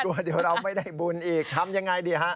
กลัวเดี๋ยวเราไม่ได้บุญอีกทำยังไงดีฮะ